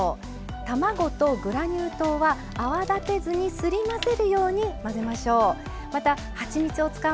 卵とグラニュー糖は泡立てずにすり混ぜるように混ぜましょう。